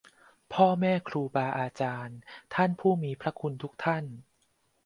พ่อแม่ครูบาอาจารย์ ท่านผู้มีพระคุณทุกท่าน